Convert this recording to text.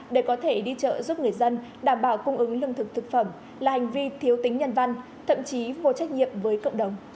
để có thể đi chợ giúp người dân đảm bảo cung ứng lương thực thực phẩm là hành vi thiếu tính nhân văn thậm chí vô trách nhiệm với cộng đồng